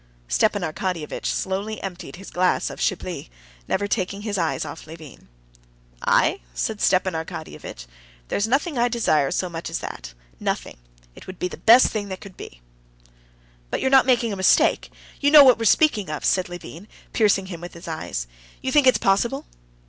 Stepan Arkadyevitch slowly emptied his glass of Chablis, never taking his eyes off Levin. "I?" said Stepan Arkadyevitch, "there's nothing I desire so much as that—nothing! It would be the best thing that could be." "But you're not making a mistake? You know what we're speaking of?" said Levin, piercing him with his eyes. "You think it's possible?"